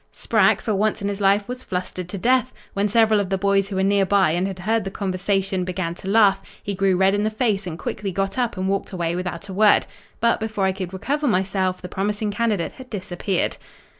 "Sprack, for once in his life, was flustered to death. When several of the boys who were nearby and had heard the conversation, began to laugh, he grew red in the face and quickly got up and walked away without a word. But before I could recover myself, the promising candidate had disappeared."